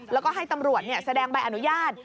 แล้วก็ให้ตำรวจแสดงใบอนุญาต